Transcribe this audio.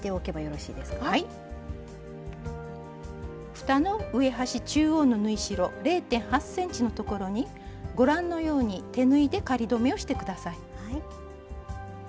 ふたの上端中央の縫い代０．８ｃｍのところにご覧のように手縫いで仮留めをして下さい。